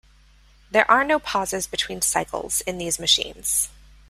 There are no pauses between cycles in these machines.